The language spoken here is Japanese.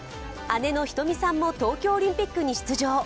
姉の瞳さんも東京オリンピックに出場。